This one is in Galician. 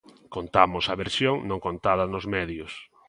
Contamos a versión non contada nos medios.